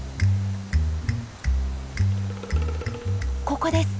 ここです。